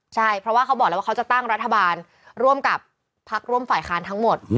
ใช่เพราะว่าเขาบอกแล้วว่าเขาจะตั้งรัฐบาลร่วมกับพักร่วมฝ่ายค้านทั้งหมด